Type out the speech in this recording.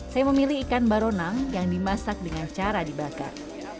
saya memilih ikan baronang yang dimasak dengan cara dibakar